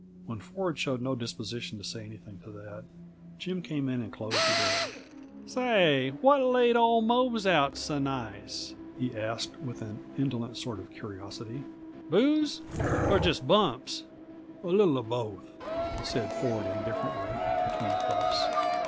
When Ford showed no disposition to say anything to that, Jim came in and closed the door. "Say, what laid old Mose out so nice?" he asked, with an indolent sort of curiosity. "Booze? Or just bumps?" "A little of both," said Ford indifferently, between puffs.